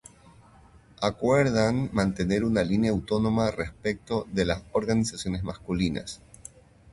Acuerdan mantener una línea autónoma respecto de las organizaciones masculinas.